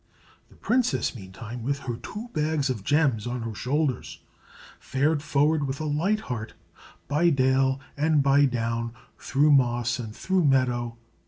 The princess, meantime, with her two bags of gems on her shoulders, fared forward with a light heart, by dale and by down, through moss and through meadow.